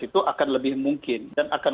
itu akan lebih mungkin dan akan